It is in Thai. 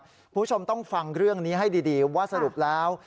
คุณผู้ชมต้องฟังเรื่องนี้ให้ดีว่าสรุปแล้ว